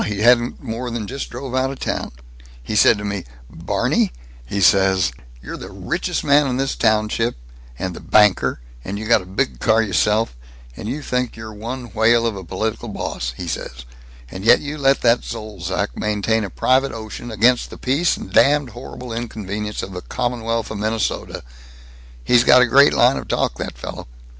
He hasn't more than just drove out of town. He said to me, 'Barney,' he says, 'you're the richest man in this township, and the banker, and you got a big car y'self, and you think you're one whale of a political boss,' he says, 'and yet you let that Zolzac maintain a private ocean, against the peace and damn horrible inconvenience of the Commonwealth of Minnesota ' He's got a great line of talk, that fellow.